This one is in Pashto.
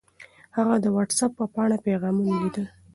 هغه د وټس اپ په پاڼه کې پیغامونه لیدل.